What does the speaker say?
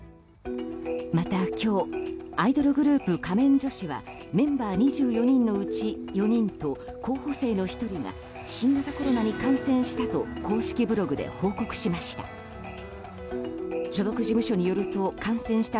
また、今日アイドルグループ、仮面女子はメンバー２４人のうち４人と候補生の１人が新型コロナに感染したこと公式ブログで報告しました。